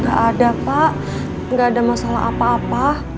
gak ada pak gak ada masalah apa apa